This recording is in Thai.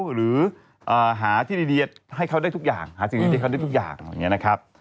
หรือหาที่ดีให้เขาได้ทุกอย่างหาสิ่งดีที่เขาได้ทุกอย่างอะไรอย่างนี้นะครับ